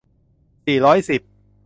สี่ร้อยสิบ